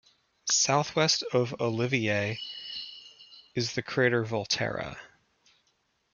Southwest of Olivier is the crater Volterra.